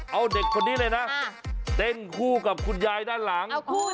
เอาเด็กคนนี้เลยนะเต้นคู่กับคุณยายด้านหลัง